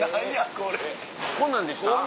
こんなんでした？